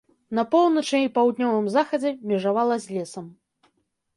На поўначы і паўднёвым захадзе межавала з лесам.